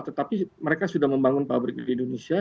tetapi mereka sudah membangun pabrik di indonesia